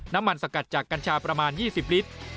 สกัดจากกัญชาประมาณ๒๐ลิตร